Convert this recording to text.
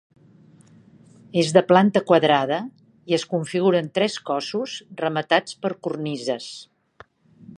És de planta quadrada i es configura en tres cossos rematats per cornises.